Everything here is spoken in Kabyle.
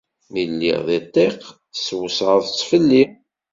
Mi lliɣ di ṭṭiq, teswesɛeḍ-tt fell-i.